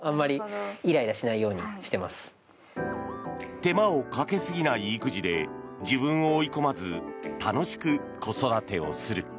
手間をかけすぎない育児で自分を追い込まず楽しく子育てをする。